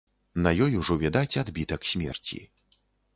На ёй ужо відаць адбітак смерці.